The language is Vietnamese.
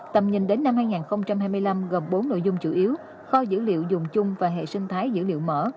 tầm nhìn đến năm hai nghìn hai mươi năm gồm bốn nội dung chủ yếu kho dữ liệu dùng chung và hệ sinh thái dữ liệu mở